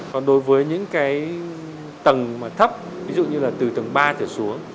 còn đối với những tầng thấp ví dụ như từ tầng ba thể xuống